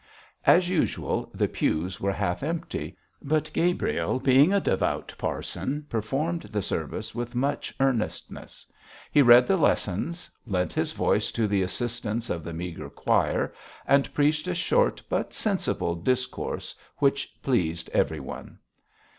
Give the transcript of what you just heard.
As usual, the pews were half empty, but Gabriel, being a devout parson, performed the service with much earnestness. He read the lessons, lent his voice to the assistance of the meagre choir, and preached a short but sensible discourse which pleased everyone.